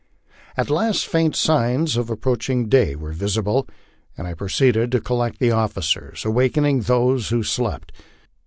At last faint signs of approaching day were visible, and I proceeded to col lect the officers, awakening those who slept.